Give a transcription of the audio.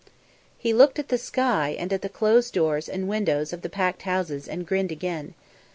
He looked at the sky and at the closed doors and windows of the packed houses, and grinned again.